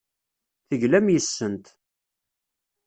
Teglam yes-sent.